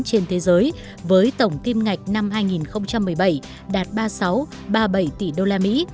trên thế giới với tổng tiêm ngạch năm hai nghìn một mươi bảy đạt ba mươi sáu ba mươi bảy tỷ usd